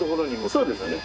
そうですね。